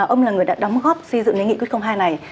ông là người đã đóng góp xây dựng cái nghị quyết hai này